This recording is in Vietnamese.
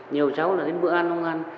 nhiều cháu là đến bữa ăn không ăn